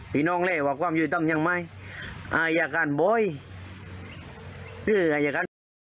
พี่น้องเล่ว่าความยุติต้องยังไม่อายการบอยชื่ออายการบอย